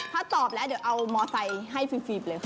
ถ้าตอบแล้วเดี๋ยวเอามอไซค์ให้ฟรีไปเลยค่ะ